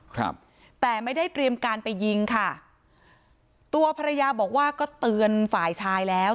ครับแต่ไม่ได้เตรียมการไปยิงค่ะตัวภรรยาบอกว่าก็เตือนฝ่ายชายแล้ว